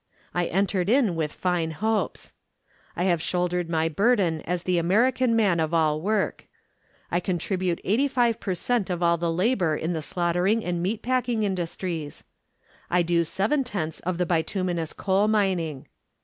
I entered in with fine hopes. I have shouldered my burden as the American man of all work. I contribute eighty five per cent. of all the labour in the slaughtering and meat packing industries. I do seven tenths of the bituminous coal mining.